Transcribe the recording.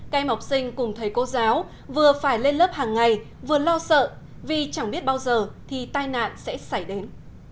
cây mọc sinh cùng thầy cô giáo vừa phải lên lớp hàng ngày vừa lo sợ vì chẳng biết bao giờ thì tai nạn sẽ xảy đến